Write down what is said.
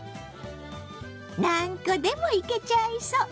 何個でもいけちゃいそう！